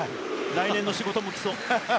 来年の仕事も来そう。